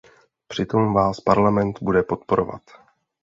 Přitom vás Parlament bude podporovat.